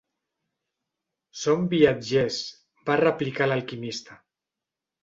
"Som viatgers", va replicar l'Alquimista.